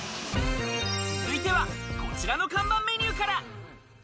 続いてはこちらの看板メニューから。